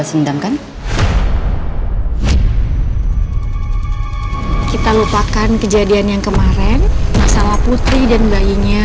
sampai jumpa di video selanjutnya